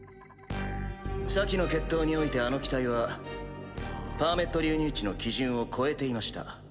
先の決闘においてあの機体はパーメット流入値の基準を超えていました。